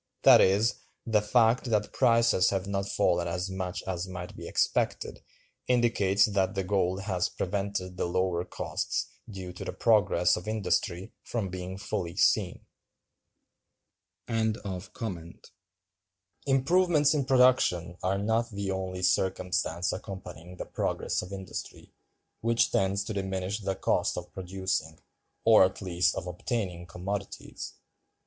That is, the fact that prices have not fallen as much as might be expected, indicates that the gold has prevented the lower costs due to the progress of industry from being fully seen. Improvements in production are not the only circumstance accompanying the progress of industry, which tends to diminish the cost of producing, or at least of obtaining, commodities.